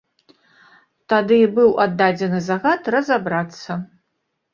Тады і быў аддадзены загад разабрацца.